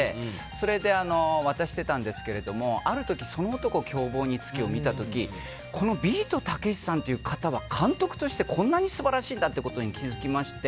それで渡してたんですけれどもある時「その男、凶暴につき」を見た時このビートたけしさんという方は監督として、こんなに素晴らしいんだということに気づきまして。